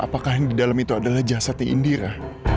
apakah yang di dalam itu adalah jasad indira